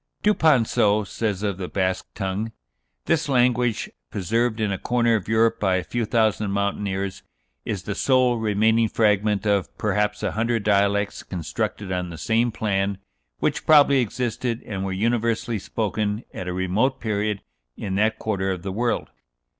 Duponceau says of the Basque tongue: "This language, preserved in a corner of Europe by a few thousand mountaineers, is the sole remaining fragment of, perhaps, a hundred dialects constructed on the same plan, which probably existed and were universally spoken at a remote period in that quarter of the world.